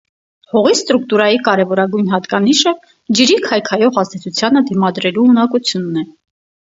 Հողի ստրուկտուրայի կարևորագույն հատկանիշը ջրի քայքայող ազդեցությանը դիմադրելու ունակությունն է։